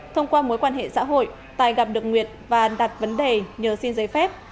thông qua mối quan hệ xã hội tài gặp được nguyệt và đặt vấn đề nhờ xin giấy phép